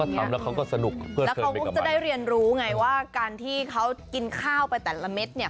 ทำแล้วเขาก็สนุกแล้วเขาก็จะได้เรียนรู้ไงว่าการที่เขากินข้าวไปแต่ละเม็ดเนี่ย